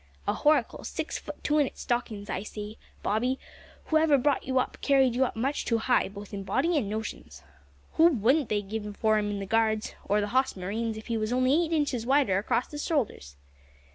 A horacle, six fut two in its stockin's. I say, bobby, whoever brought you up carried you up much too high, both in body and notions. Wot wouldn't they give for 'im in the Guards, or the hoss marines, if he was only eight inches wider across the shoulders!"